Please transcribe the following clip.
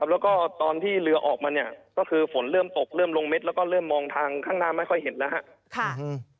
แล้วก็ตอนที่เรือออกมาเนี่ยก็คือฝนเริ่มตกเริ่มลงเม็ดแล้วก็เริ่มมองทางข้างหน้าไม่ค่อยเห็นแล้วครับ